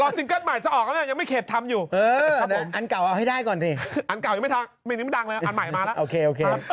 เดี๋ยวเราโร่นักสิงค์ก็ใหม่จะออกอ่ะ